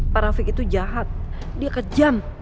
pak rafiq itu jahat dia kejam